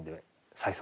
最速。